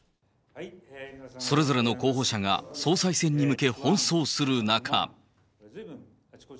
それぞれの候補者が、総裁選に向け、奔走する中。